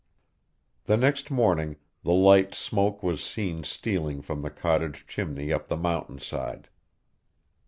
The next morning, the light smoke was seen stealing from the cottage chimney up the mountain side.